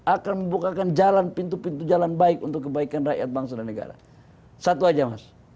akan membukakan jalan pintu pintu jalan baik untuk kebaikan rakyat bangsa dan negara satu aja mas